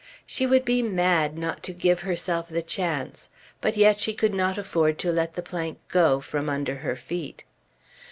She would be mad not to give herself the chance; but yet she could not afford to let the plank go from under her feet.